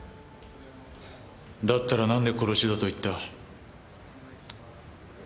だったらなんで殺しだと言った？